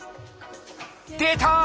出た！